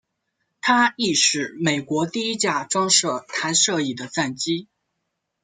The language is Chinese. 它亦是美国第一架装设弹射椅的战机。